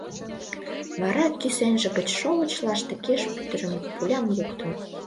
Вара кӱсенже гыч шовыч лаштыкеш пӱтырымӧ пулям лукто.